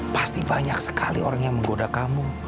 pasti banyak sekali orang yang menggoda kamu